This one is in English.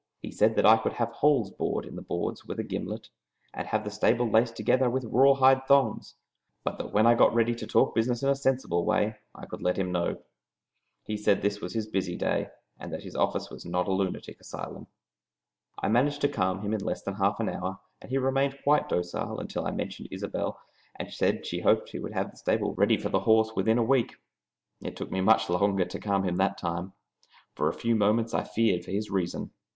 He said I could have holes bored in the boards with a gimlet, and have the stable laced together with rawhide thongs, but that when I got ready to talk business in a sensible way, I could let him know. He said this was his busy day, and that his office was not a lunatic asylum. I managed to calm him in less than half an hour, and he remained quite docile until I mentioned Isobel and said she hoped he would have the stable ready for the horse within a week. It took me much longer to calm him that time. For a few moments I feared for his reason.